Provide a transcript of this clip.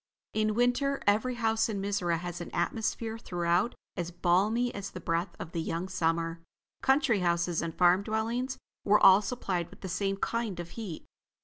In winter, every house in Mizora had an atmosphere throughout as balmy as the breath of the young summer. Country houses and farm dwellings were all supplied with the same kind of heat.